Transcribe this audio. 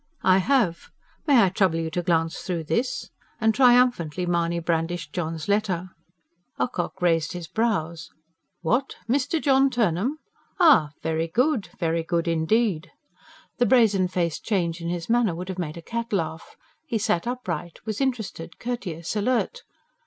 "I have. May I trouble you to glance through this?" and triumphantly Mahony brandished John's letter. Ocock raised his brows. "What? Mr. John Turnham? Ah, very good ... very good indeed!" The brazen faced change in his manner would have made a cat laugh; he sat upright, was interested, courteous, alert.